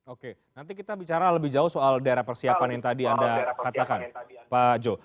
oke nanti kita bicara lebih jauh soal daerah persiapan yang tadi anda katakan pak jo